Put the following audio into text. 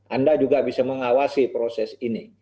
anda juga bisa mengawasi proses ini